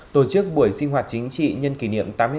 tổ chức buổi sinh hoạt chính trị nhân kỷ niệm